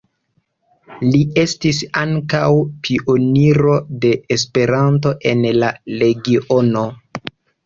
Li estis ankaŭ pioniro de Esperanto en la regiono.